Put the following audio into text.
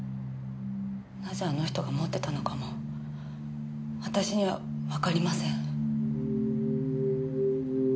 なぜあの人が持ってたのかも私にはわかりません。